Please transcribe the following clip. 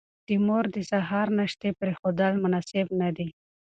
د مور د سهار ناشتې پرېښودل مناسب نه دي.